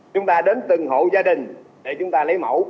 chúng ta đến từng hộ gia đình để chúng ta lấy mẫu